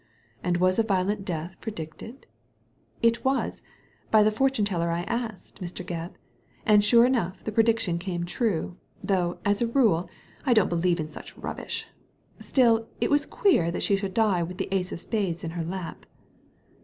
^ And was a violent death predicted ?'*" It was— by the fortune teller I asked, Mr. Gebb ; and sure enough the prediction came true, though, as a rule, I don't believe in such rubbish; still it was queer she should die with the ace of spades in her lap."